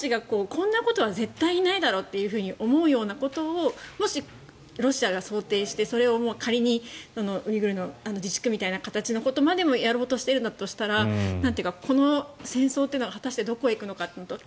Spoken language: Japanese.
絶対にないだろうと思うことをもしロシアが想定して仮にウイグルの自治区みたいな形のことまでもやろうとしているんだとしたらこの戦争というのが果たしてどこへ行くのかと。